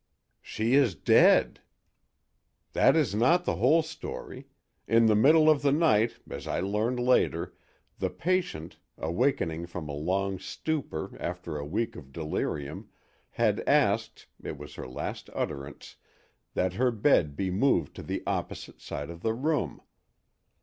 "'She is dead.' "That is not the whole story. In the middle of the night, as I learned later, the patient, awakening from a long stupor after a week of delirium, had asked—it was her last utterance—that her bed be moved to the opposite side of the room.